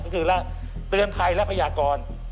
ก็คือเตือนภัยและพยากร